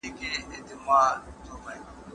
دا هغه جومات دی چې خلک په کې راټولیږي.